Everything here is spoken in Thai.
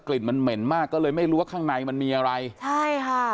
ลิ่นมันเหม็นมากก็เลยไม่รู้ว่าข้างในมันมีอะไรใช่ค่ะ